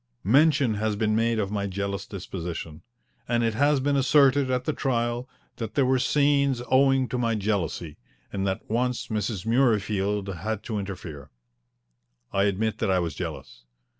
Mention has been made of my jealous disposition, and it has been asserted at the trial that there were scenes owing to my jealousy, and that once Mrs. Murreyfield had to interfere. I admit that I was jealous.